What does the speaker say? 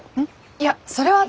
いやそれは全然。